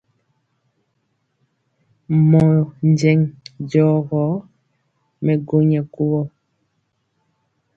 Mɔɔ njɛŋ jɔ gɔ, mɛ gwo nyɛ kuvɔ.